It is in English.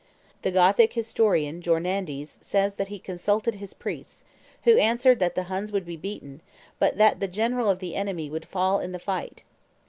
The Gothic historian Jornandes says that he consulted his priests, who answered that the Huns would be beaten, but that the general of the enemy would fall in the fight.